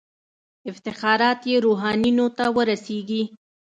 افتخارات یې روحانیونو ته ورسیږي.